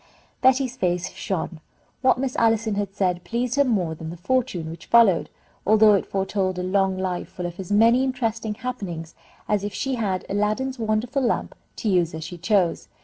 Betty's face shone. What Miss Allison had said pleased her more than the fortune which followed, although it foretold a long life full of as many interesting happenings as if she had Aladdin's wonderful lamp to use as she chose.